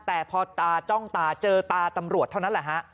แต่พอตาจ้องตาเจอตาตำรวจเท่านั้นแหละฮะ